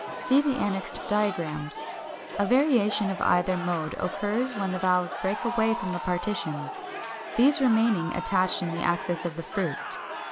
See the annexed diagrams. A variation of either mode occurs when the valves break away from the partitions, these remaining attached in the axis of the fruit.